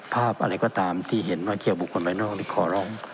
ภาพอะไรก็ตามที่เห็นว่าเกี่ยวบุคคลภายนอกนี่ขอร้อง